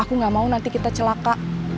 aku gak mau nanti kita celaka